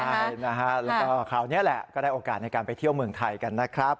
ใช่นะฮะแล้วก็คราวนี้แหละก็ได้โอกาสในการไปเที่ยวเมืองไทยกันนะครับ